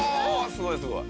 すごいすごい。